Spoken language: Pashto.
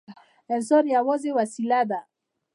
انسان یوازې وسیله ده.